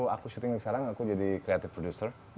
aku shooting sekarang aku jadi creative producer